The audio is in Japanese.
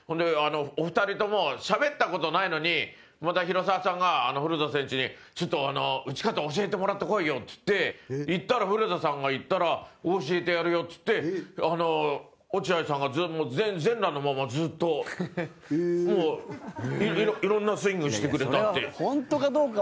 お二人ともしゃべった事ないのに広澤さんが古田選手に「ちょっと、打ち方教えてもらってこいよ」っつって古田さんが行ったら「教えてやるよ」っつって落合さんが全裸のまま、ずっともう、いろんなスイングしてくれたっていう。